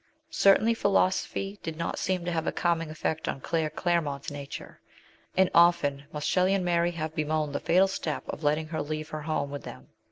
Certainly philosophy did not seem to have a calming effect on CJaire Clare mont's nature, and often must Shelley and Mary have bemoaned the fatal step of letting her leave her home with them.